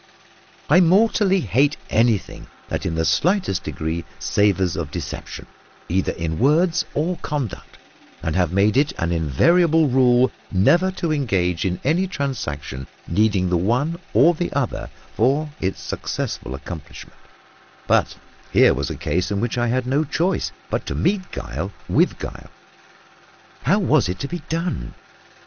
I mortally hate anything that in the slightest degree savours of deception, either in words or conduct, and have made it an invariable rule never to engage in any transaction needing the one or the other for its successful accomplishment; but here was a case in which I had no choice but to meet guile with guile. How was it to be done?